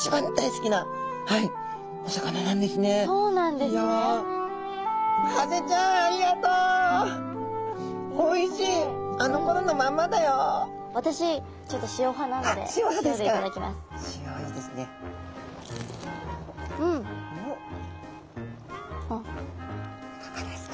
いかがですか？